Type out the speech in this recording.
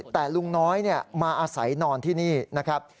แต่ลุงน้อยมาอาศัยนอนที่นี่นะครับ